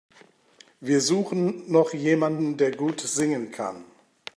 Wir suchen noch jemanden, der gut singen kann.